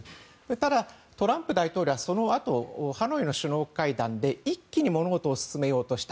ただ、トランプ大統領はそのあとハノイの首脳会談で一気に物事を進めようとした。